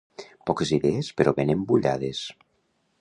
Poques idees, però ben embullades.